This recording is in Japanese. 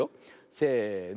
せの。